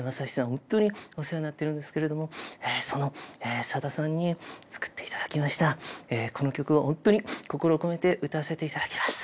ホントにお世話になってるんですけれどもそのさださんに作っていただきましたこの曲をホントに心を込めて歌わせていただきます